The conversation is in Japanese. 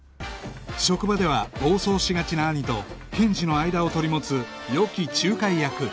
職場では暴走しがちな兄と検事の間を取り持つ良き仲介役